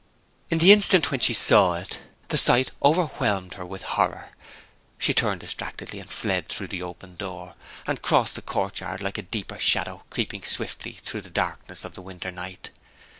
In the instant when she saw it, the sight overwhelmed her with horror. She turned distractedly, and fled through the open door. She crossed the courtyard, like a deeper shadow creeping swiftly through the darkness of the winter night.